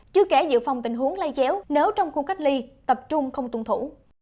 chứ kể dự phòng tình huống lay chéo nếu trong khu cách ly tập trung không tuân thủ